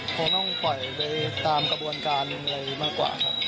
คงต้องปล่อยไปตามกระบวนการมากกว่าครับ